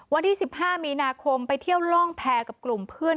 วันที่๑๕มีนาคมไปเที่ยวล่องแพรกับกลุ่มเพื่อน